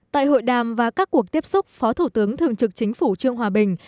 tại hội đàm và các cuộc tiếp xúc phó thủ tướng thường trực chính phủ trương hòa bình